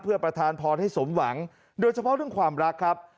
เพื่อประทานพรให้สมหวังโดยเฉพาะเรื่องความรักครับ